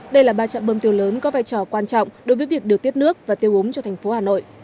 đây là ba trạm bơm tiêu lớn có vai trò quan trọng đối với việc điều tiết nước và tiêu úng cho thành phố hà nội